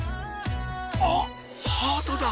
あっハートだ！